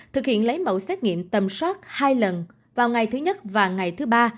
thực hiện lấy mẫu xét nghiệm tầm soát hai lần vào ngày thứ nhất và ngày thứ ba